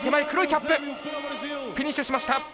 キャップフィニッシュしました。